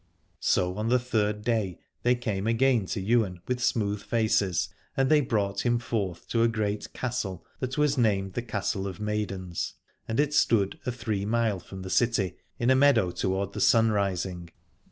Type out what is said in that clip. So on the third day they came again to Ywain with smooth faces, and they brought him forth to a great castle that was named the Castle of Maidens : and it stood a three mile from the city, in a meadow toward the sun rising.